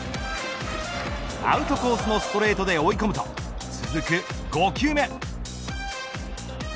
アウトコースのストレートで追い込むと続く５球目。